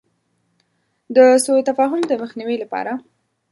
د سو تفاهم د مخنیوي لپاره.